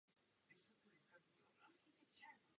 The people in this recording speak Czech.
Ty přes den odpočívají v podrostu a aktivují až večer a v noci.